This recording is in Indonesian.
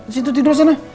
situ tidur sana